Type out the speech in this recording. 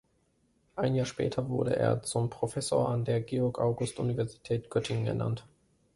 Ein Jahr später wurde er zum Professor an der Georg-August-Universität Göttingen ernannt.